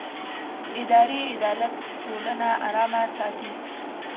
اداري عدالت ټولنه ارامه ساتي